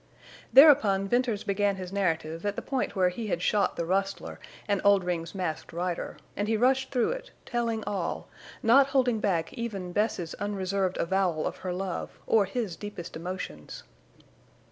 Thereupon Venters began his narrative at the point where he had shot the rustler and Oldring's Masked Rider, and he rushed through it, telling all, not holding back even Bess's unreserved avowal of her love or his deepest emotions.